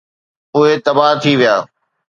اهي تباهه ٿي ويا.